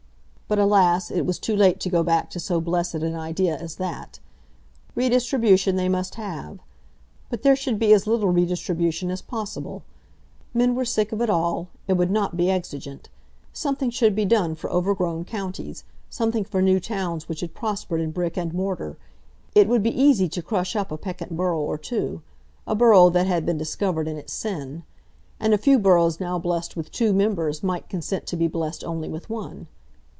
But, alas, it was too late to go back to so blessed an idea as that! Redistribution they must have. But there should be as little redistribution as possible. Men were sick of it all, and would not be exigeant. Something should be done for overgrown counties; something for new towns which had prospered in brick and mortar. It would be easy to crush up a peccant borough or two, a borough that had been discovered in its sin. And a few boroughs now blessed with two members might consent to be blessed only with one.